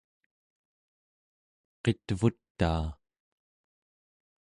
qit'vutaa